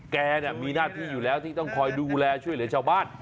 แกมีหน้าที่อยู่แล้วที่ต้องคอยดูแลช่วยเหลือชาวบ้าน